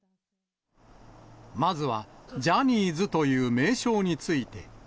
まずはジャニーズという名称について。